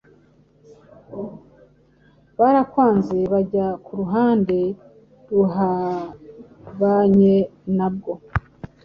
barabwanze bajya ku ruhande ruhabanye nabwo.